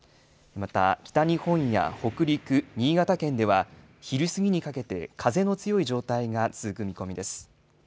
また北日本や北陸、新潟県では、昼過ぎにかけて風の強い状態が続く見込みです。